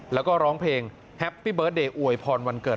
แล้วก็ร้องเพลงแฮปปี้เบิร์ตเดย์อวยพรวันเกิด